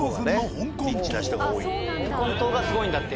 香港島がすごいんだって。